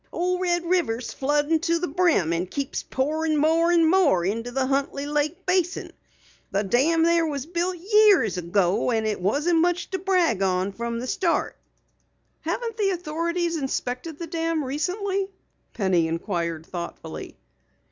Old Red River's floodin' to the brim, an keeps pourin' more and more into the Huntley Lake basin. The dam there was built years ago and it wasn't much to brag on from the start." "Haven't authorities inspected the dam recently?" Penny inquired thoughtfully.